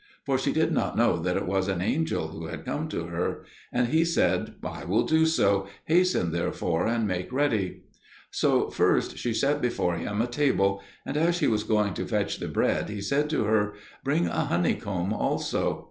For she did not know that it was an angel who had come to her. And he said, "I will do so: hasten therefore and make ready." So first she set before him a table; and as she was going to fetch the bread he said to her, "Bring a honeycomb also."